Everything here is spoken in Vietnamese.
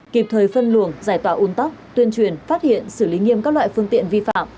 kịp thời phân luồng giải tỏa un tắc tuyên truyền phát hiện xử lý nghiêm các loại phương tiện vi phạm